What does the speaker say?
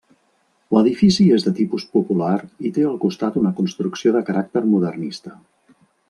L'edifici és de tipus popular i té al costat una construcció de caràcter modernista.